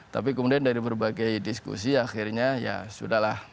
tapi kemudian dari berbagai diskusi akhirnya ya sudah lah